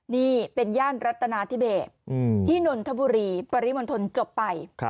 นี่เป็นย่านรัตนาธิเบสที่นนทบุรีปริมณฑลจบไป